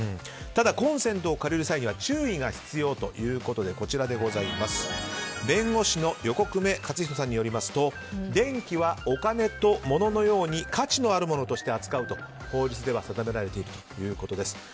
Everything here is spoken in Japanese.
ただコンセントを借りる際には注意が必要ということで弁護士の横粂勝仁さんによりますと、電気はお金と物のように価値のあるものとして扱う法律では定められているということです。